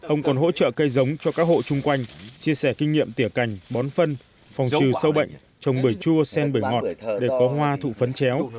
ông còn hỗ trợ cây giống cho các hộ chung quanh chia sẻ kinh nghiệm tỉa cành bón phân phòng trừ sâu bệnh trồng bưởi chua sen bưởi ngọt để có hoa thụ phấn chéo